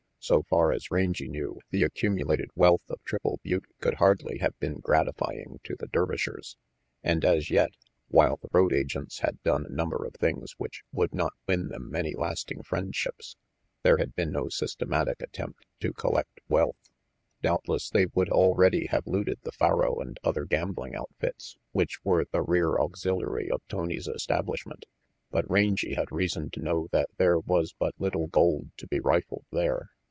So far as Rangy knew, the accumulated wealth of Triple Butte could hardly have been gratifying to the Dervishers. And as yet, while the road agents had done a number of things which would not win them many lasting friendships, there had been no systematic attempt to collect wealth. RANGY PETE 21 Doubtless they would already have looted the faro and other gambling outfits which were the rear auxiliary of Tony's establishment, but Rangy had reason to know that there was but little gold to be rifled there.